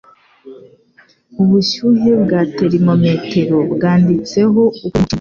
Ubushyuhe bwa termometero bwanditseho ukuyemo icumi